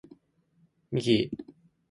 ミギー